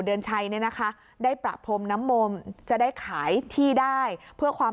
เดือนชัยเนี่ยนะคะได้ประพรมน้ำมมจะได้ขายที่ได้เพื่อความ